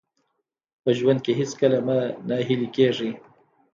په ژوند کې هېڅکله مه ناهیلي کېږئ.